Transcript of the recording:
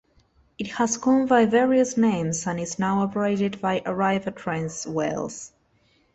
It has gone by various names and is now operated by Arriva Trains Wales.